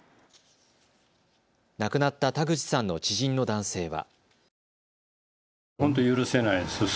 亡くなった田口さんの知人の男性は。